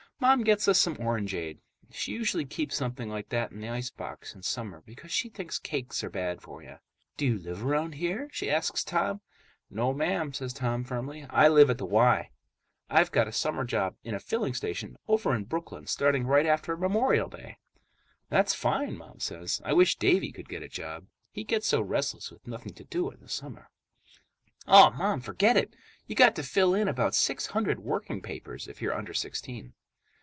Mom gets us some orangeade. She usually keeps something like that in the icebox in summer, because she thinks cokes are bad for you. "Do you live around here?" she asks Tom. "No, ma'am," says Tom firmly. "I live at the Y. I've got a summer job in a filling station over in Brooklyn, starting right after Memorial Day." "That's fine," Mom says. "I wish Davey could get a job. He gets so restless with nothing to do in the summer." "Aw, Mom, forget it! You got to fill in about six hundred working papers if you're under sixteen.